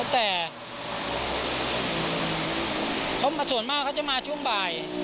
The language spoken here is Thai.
แต่ส่วนมากเขาจะมาช่วงบ่าย